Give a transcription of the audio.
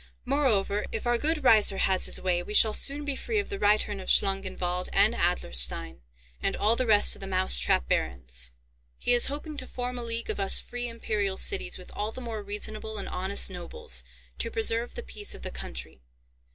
"Moreover, if our good Raiser has his way, we shall soon be free of the reitern of Schlangenwald, and Adlerstein, and all the rest of the mouse trap barons. He is hoping to form a league of us free imperial cities with all the more reasonable and honest nobles, to preserve the peace of the country.